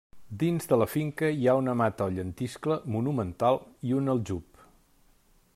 Dins de la finca hi ha una mata o llentiscle monumental i un aljub.